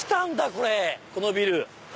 これこのビル。